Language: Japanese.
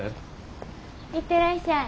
行ってらっしゃい。